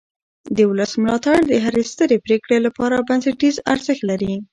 د ولس ملاتړ د هرې سترې پرېکړې لپاره بنسټیز ارزښت لري